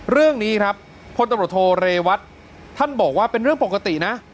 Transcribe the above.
เรื่องนี้ครับพตเรวัตท์ท่านบอกว่าเป็นเรื่องปกตินะ